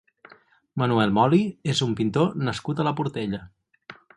Manuel Moli és un pintor nascut a la Portella.